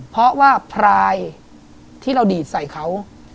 เพราะว่าพรายที่เราดีดใส่เขา